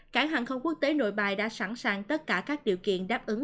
cảng hàng không quốc tế nội bài đã sẵn sàng tất cả các điều kiện đáp ứng